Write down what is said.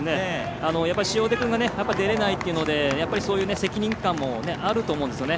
塩出君が出れないということでそういう責任感もあると思うんですよね。